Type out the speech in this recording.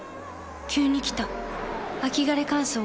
急に来た秋枯れ乾燥。